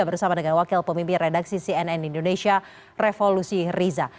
bersama dengan wakil pemimpin redaksi cnn indonesia revolusi riza